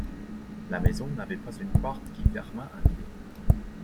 La maison n’avait pas une porte qui fermât à clef.